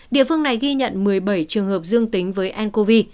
địa phương này ghi nhận một mươi bảy trường hợp dương tính với ncov